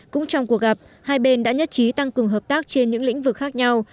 cũng trong cuộc gặp hai bên đã nhất trí tăng cường hợp tác trên những lĩnh vực khác nhau